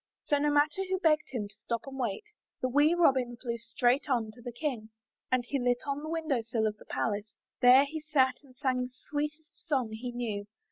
So, no matter who begged him to stop and wait, the wee Robin flew straight on to the King. And he lit on the window sill of the palace. There he sat and sang the sweetest song he knew.